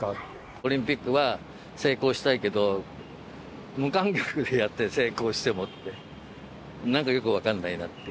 オリンピックは成功したいけど、無観客でやって成功してもって、なんかよく分かんないなって。